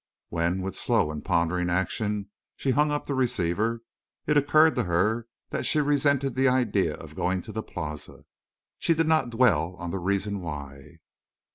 When with slow and pondering action she hung up the receiver it occurred to her that she resented the idea of going to the Plaza. She did not dwell on the reason why.